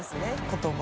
言葉。